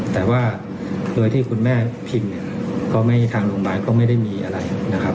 แต่ว่าโดยที่คุณแม่พิมพ์เนี่ยก็ไม่ทางโรงพยาบาลก็ไม่ได้มีอะไรนะครับ